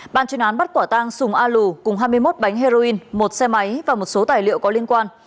ban chuyên án bắt quả tang sùng a lù cùng hai mươi một bánh heroin một xe máy và một số tài liệu có liên quan